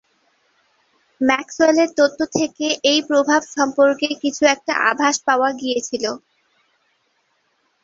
Maxwell এর তত্ত্ব থেকে এই প্রভাব সম্পর্কে কিছু একটা আভাস পাওয়া গিয়েছিলো।